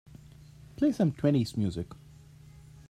Play some twenties music